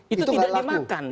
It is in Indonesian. itu tidak dimakan